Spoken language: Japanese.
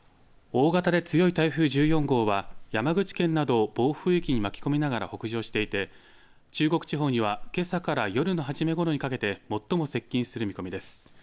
大型で強い台風１４号は、山口県などを暴風域に巻き込みながら北上していて、中国地方にはけさから夜の初めごろにかけて、最も接近する見込みです。